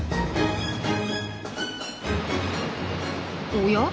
おや？